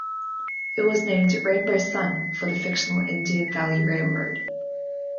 It was named "Rainbow Sun" for the fictional Indian Valley Railroad.